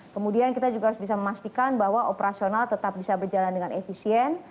kemudian kita juga harus bisa memastikan bahwa operasional tetap bisa berjalan dengan efisien